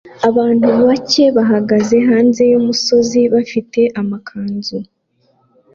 Abantu bake bahagaze hanze yumusozi bafite amakanzu